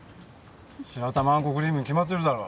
白玉あんこクリームに決まってるだろ。